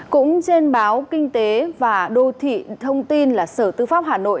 cũng trên báo kinh tế và đô thị thông tin là sở tư pháp hà nội